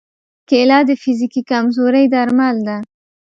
کېله د فزیکي کمزورۍ درمل ده.